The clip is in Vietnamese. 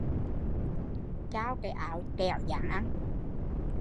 Chao cái áo dính mồ hôi liền kẻo gián ăn